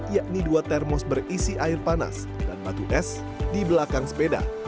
yakni dua termos berisi air panas dan batu es di belakang sepeda